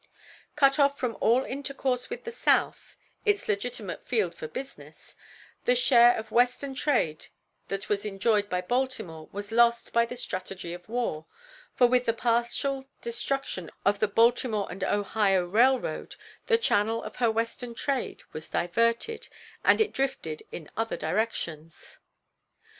Cut off from all intercourse with the South its legitimate field for business the share of Western trade that was enjoyed by Baltimore was lost by the strategy of war, for with the partial destruction of the Baltimore and Ohio Railroad the channel of her Western trade was diverted, and it drifted in other directions.